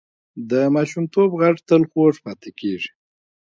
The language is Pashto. د ماشومتوب غږ تل خوږ پاتې کېږي